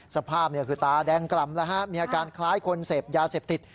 สภาพคือตาแดงกล่ำแล้วฮะมีอาการคล้ายคนเสพยาเสพติด